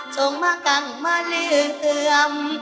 จงมากังมาเรื่อง